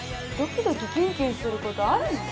ドキドキキュンキュンすることあるの？